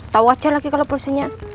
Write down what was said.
tau aja lagi kalau pulsanya